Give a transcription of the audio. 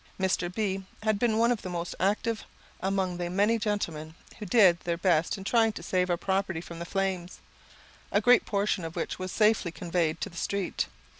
Mr. B had been one of the most active among the many gentlemen who did their best in trying to save our property from the flames, a great portion of which was safely conveyed to the street.